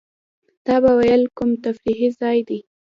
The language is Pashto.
تا به وېل کوم تفریحي ځای دی.